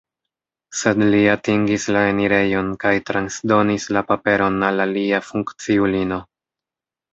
Sed li atingis la enirejon kaj transdonis la paperon al alia funkciulino.